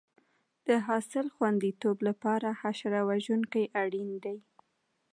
د حاصل خوندیتوب لپاره حشره وژونکي اړین دي.